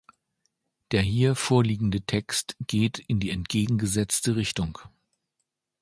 Der hier vorliegende Text geht in die entgegengesetzte Richtung.